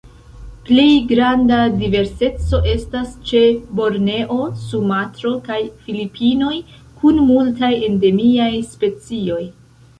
Plej granda diverseco estas ĉe Borneo, Sumatro, kaj Filipinoj, kun multaj endemiaj specioj.